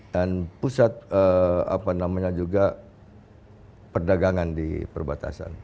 dan pusat apa namanya juga perdagangan di perbatasan